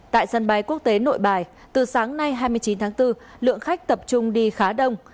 tại sân bay quốc tế nội bài từ sáng nay hai mươi chín tháng bốn lượng khách tập trung đi khá đông